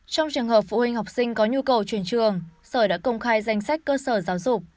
trong trường hợp phụ huynh học sinh có nhu cầu chuyển trường sở đã công khai danh sách cơ sở giáo dục